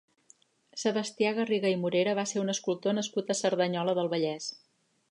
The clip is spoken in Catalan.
Sebastià Garriga i Morera va ser un escultor nascut a Cerdanyola del Vallès.